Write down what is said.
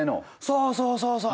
そうそうそうそう。